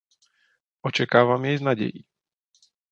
Očekávám jej s nadějí.